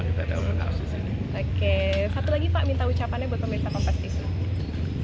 oke satu lagi pak minta ucapannya buat pemirsa kompetisi